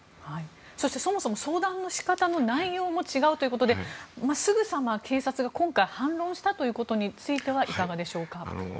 そして、そもそも相談の仕方も内容も違うということですぐさま警察が今回、反論したことについてはいかがでしょうか？